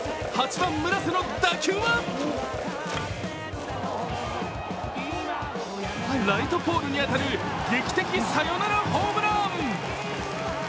８番・村瀬の打球はライトポールに当たる劇的サヨナラホームラン。